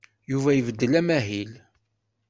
Yuba ibeddel amahil.